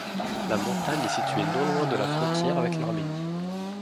La montagne est située non loin de la frontière avec l'Arménie.